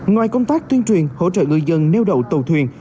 ngoài công tác tuyên truyền hỗ trợ người dân nêu đậu tàu thuyền